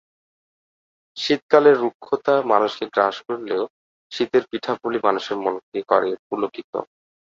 শীতকালের রুক্ষতা মানুষকে গ্রাস করলেও শীতের পিঠাপুলি মানুষের মনকে করে পুলকিত।